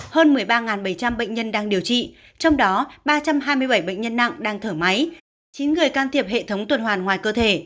hơn một mươi ba bảy trăm linh bệnh nhân đang điều trị trong đó ba trăm hai mươi bảy bệnh nhân nặng đang thở máy chín người can thiệp hệ thống tuần hoàn ngoài cơ thể